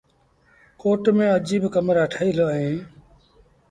ڪوٽ ميݩ اجيٚب ڪمرآ ٺهيٚل اوهيݩ ۔